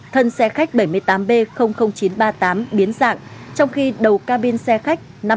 thân xe khách bảy mươi tám b chín trăm ba mươi tám biến dạng trong khi đầu ca bin xe khách